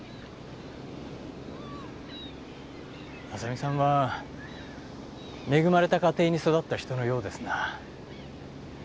浅見さんは恵まれた家庭に育った人のようですな。